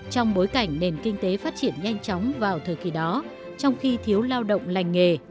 trong bối cảnh nền kinh tế phát triển nhanh chóng vào thời kỳ đó trong khi thiếu lao động lành nghề